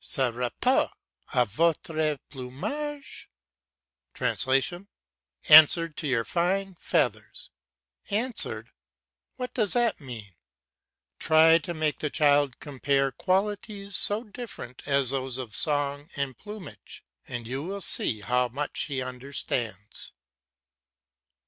"Se rapporte a votre plumage" ("Answered to your fine feathers"). "Answered!" What does that mean? Try to make the child compare qualities so different as those of song and plumage; you will see how much he understands.